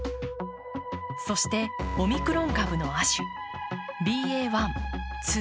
そして、オミクロン株の亜種、ＢＡ．